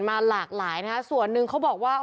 มาหลากหลายนะฮะส่วนหนึ่งเขาบอกว่า